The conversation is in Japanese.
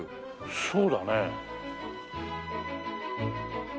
そうだね。